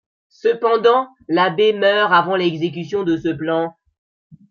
Cependant, l'abbé meurt avant l'exécution de ce plan.